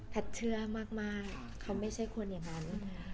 เชื่อมากเขาไม่ใช่คนอย่างนั้น